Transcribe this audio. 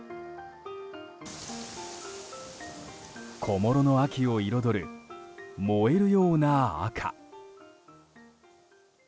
小諸の秋を彩る燃えるような赤。